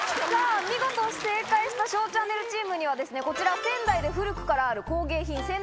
見事正解した「ＳＨＯＷチャンネルチーム」にはこちら仙台で古くからある工芸品仙台張子。